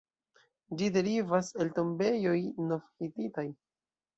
Ĝi derivas el tombejoj nov-hititaj.